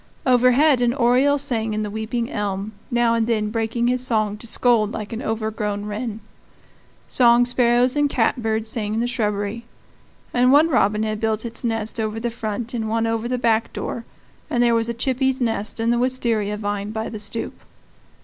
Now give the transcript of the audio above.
Overhead an oriole sang in the weeping elm, now and then breaking his song to scold like an overgrown wren. Song sparrows and catbirds sang in the shrubbery; one robin had built its nest over the front and one over the back door, and there was a chippy's nest in the wistaria vine by the stoop.